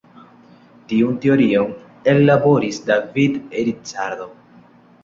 Tiun teorion ellaboris David Ricardo.